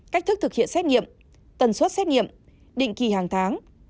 cách thức thực hiện xét nghiệm tần suất xét nghiệm định kỳ hàng tháng